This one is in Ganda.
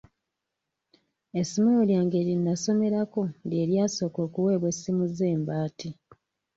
Essomero lyange lye nnasomerako lye lyasooka okuweebwa essimu z'embaati.